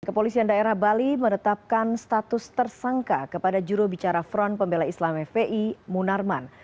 kepolisian daerah bali menetapkan status tersangka kepada jurubicara front pembela islam fpi munarman